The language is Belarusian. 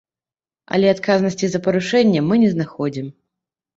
Але адказнасці за парушэнне мы не знаходзім.